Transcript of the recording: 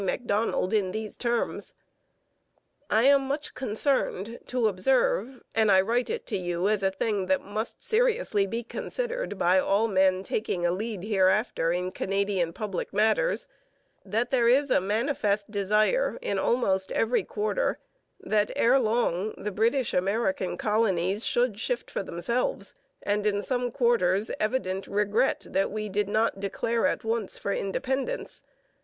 Macdonald in these terms: I am much concerned to observe and I write it to you as a thing that must seriously be considered by all men taking a lead hereafter in Canadian public matters that there is a manifest desire in almost every quarter that, ere long, the British American colonies should shift for themselves, and in some quarters evident regret that we did not declare at once for independence.